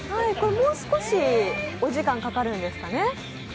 もう少しお時間かかるんですかね？